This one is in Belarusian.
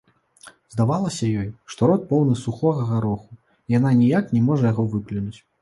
Здавалася ёй, што рот поўны сухога гароху, і яна ніяк не можа яго выплюнуць.